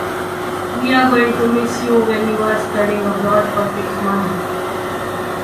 We are going to miss you when you are studying abroad for six months.